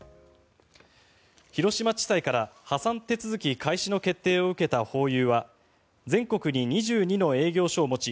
広島地裁から破産手続き開始の決定を受けたホーユーは全国に２２の営業所を持ち